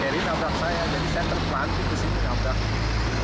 carry nabrak saya jadi saya terpelantik ke sini nabrak